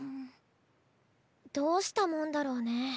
どうしたもんだろうね。